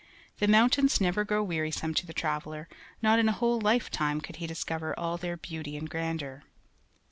The mountains never grow wearisome to the traveller; not in a whole life time could he discover all their beauty and their grandeur.